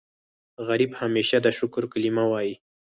غریب همیشه د شکر کلمه وايي